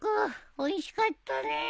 おいしかったね。